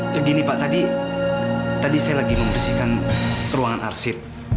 begini pak tadi tadi saya lagi membersihkan ruangan arsip